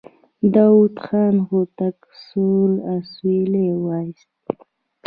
داوود خان هوتک سوړ اسويلی وايست.